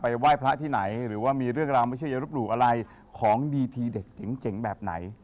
ไหว้พระที่ไหนหรือว่ามีเรื่องราวไม่ใช่อย่ารบหลู่อะไรของดีทีเด็ดเจ๋งแบบไหน